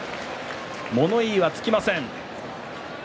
物言いはつきません。